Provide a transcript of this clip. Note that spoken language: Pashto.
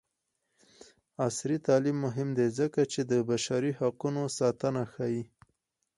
عصري تعلیم مهم دی ځکه چې د بشري حقونو ساتنه ښيي.